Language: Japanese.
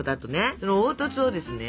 その凹凸をですね